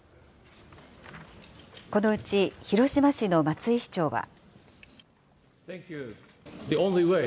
このうち広島市の松井市長は。